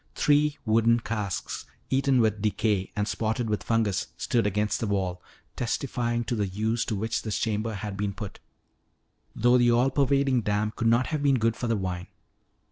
Three wooden casks eaten with decay and spotted with fungus stood against the wall, testifying to the use to which this chamber had been put, though the all pervading damp could not have been good for the wine.